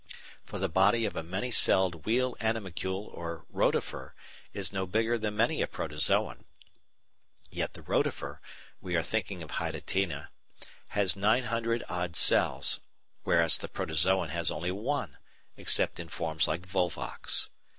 For the body of a many celled Wheel Animalcule or Rotifer is no bigger than many a Protozoon. Yet the Rotifer we are thinking of Hydatina has nine hundred odd cells, whereas the Protozoon has only one, except in forms like Volvox.